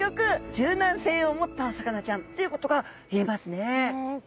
柔軟性を持ったお魚ちゃんということが言えますね。